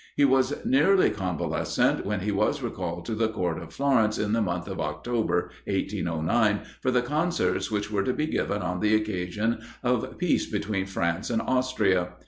He was nearly convalescent, when he was recalled to the Court of Florence, in the month of October, 1809, for the concerts which were to be given on the occasion of peace between France and Austria.